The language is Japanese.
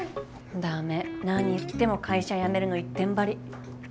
駄目何言っても会社辞めるの一点張り。